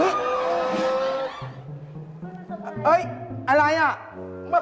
อุ๊ยเอ๊ยอะไรอ่ะมาสบาย